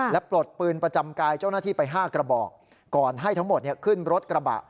และปลดปืนประจำกายเจ้าหน้าที่ไป๕กระบอกก่อนให้ทั้งหมดขึ้นรถกระบะ